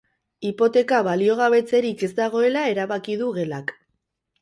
Hipoteka baliogabetzerik ez dagoela erabaki du gelak.